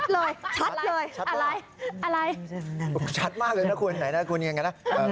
เลยชัดเลยอะไรชัดมากเลยนะคุณไหนนะคุณอย่างนี้นะ